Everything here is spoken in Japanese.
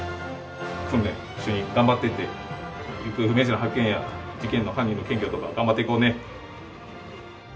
訓練、一緒に頑張っていって、行方不明者の発見や事件の犯人の検挙とか、頑張っていこうね。